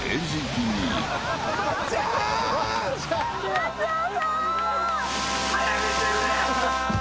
松尾さん！